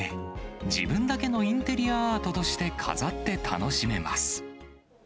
自分だけのインテリアアートとして飾って楽しめます。